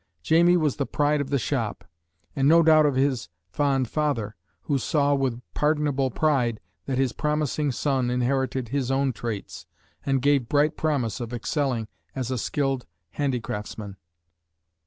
Jamie was the pride of the shop, and no doubt of his fond father, who saw with pardonable pride that his promising son inherited his own traits, and gave bright promise of excelling as a skilled handicraftsman.